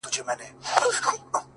• په لږ وخت کي به د ښار سرمایه دار سم ,